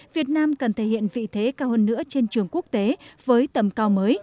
việt nam cần thể hiện vị thế cao hơn nữa trên trường quốc tế với tầm cao mới